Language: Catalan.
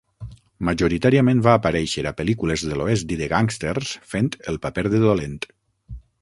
Majoritàriament va aparèixer a pel·lícules de l'oest i de gàngsters fent el paper de dolent.